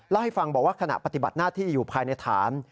เล่าให้ฟังบอกว่าขณะปฏิบัติหน้าที่อยู่ภายในฐาน